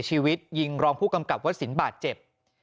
ชีวิตยีรองผู้กำกับวัดศิลปะเจ็บ